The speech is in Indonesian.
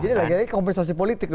jadi kompensasi politik